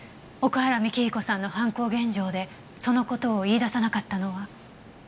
奥原幹彦さんの犯行現場でその事を言い出さなかったのは？